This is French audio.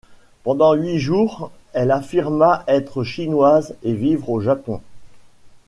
Pendant huit jours, elle affirma être Chinoise et vivre au Japon.